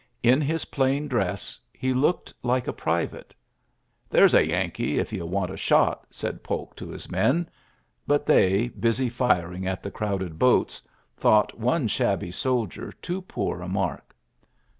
In his plaii he looked like a private. '*Th Yankee, if you want a shot,'' sai< to his men 5 but they, busy firing crowded boats, thought one soldier too poor a mark.